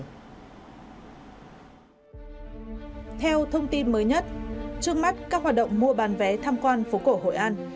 theo thông tin mới nhất trước mắt các hoạt động mua bán vé tham quan phố cổ hội an